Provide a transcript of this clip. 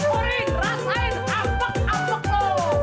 tadi pagi boleh gue gagal